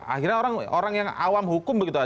akhirnya orang yang awam hukum begitu aja